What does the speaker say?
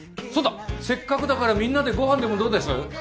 そうだせっかくだからみんなでご飯でもどうです？